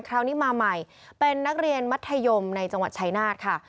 คราวนี้มาใหม่เป็นนักเรียนมัธยมในจังหวัดชายนาฏค่ะ